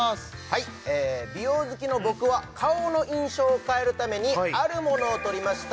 はい美容好きの僕は顔の印象を変えるためにあるものを取りました